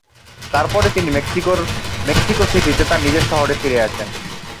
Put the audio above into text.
তারপরে তিনি মেক্সিকোর মেক্সিকো সিটিতে তার নিজের শহরে ফিরে আসেন।